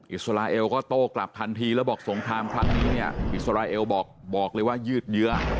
อิสราเอลก็โต้กลับทันทีแล้วบอกสงครามครั้งนี้เนี่ยอิสราเอลบอกบอกเลยว่ายืดเยื้อ